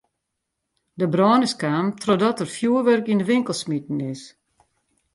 De brân is kaam trochdat der fjurwurk yn de winkel smiten is.